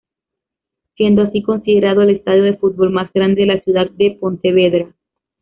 Siendo así considerado el estadio de futbol más grande de la ciudad de Pontevedra.